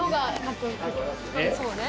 「そうね。